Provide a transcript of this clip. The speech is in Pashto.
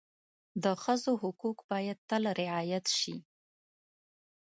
د ښځو حقوق باید تل رعایت شي.